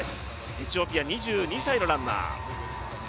エチオピアの２２歳のランナー。